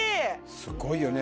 すごいよね